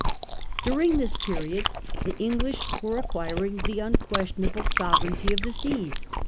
During this period the English were acquiring the unquestionable sovereignty of the seas.